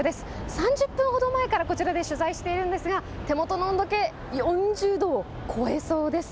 ３０分ほど前からこちらで取材してるんですが、手元の温度計、４０度を超えそうです。